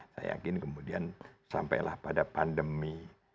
saya yakin kemudian sampailah pada pandemi